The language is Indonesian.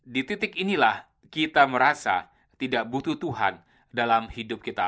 di titik inilah kita merasa tidak butuh tuhan dalam hidup kita